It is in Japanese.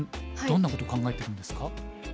どんなこと考えてるんですか？